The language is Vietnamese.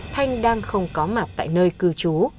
thanh đang không có mặt tại nơi cư trú